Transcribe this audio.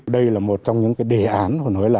đây là một trong những đề án